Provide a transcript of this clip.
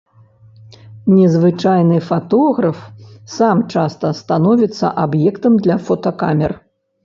Незвычайны фатограф сам часта становіцца аб'ектам для фотакамер.